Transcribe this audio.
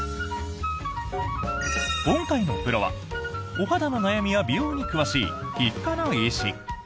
今回のプロは、お肌の悩みや美容に詳しい皮膚科の医師。